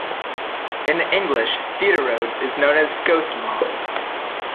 In English "Thitarodes" is known as "ghost moth".